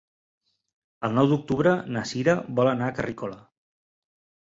El nou d'octubre na Sira vol anar a Carrícola.